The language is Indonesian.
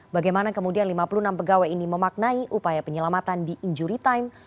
bagaimana kemudian lima puluh enam pegawai ini memaknai upaya penyelamatan di injury time